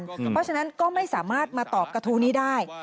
เพราะฉะนั้นก็ไม่สามารถมาตอบกระทู้นี้ได้